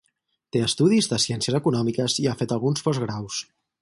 Té estudis de Ciències Econòmiques i ha fet alguns postgraus.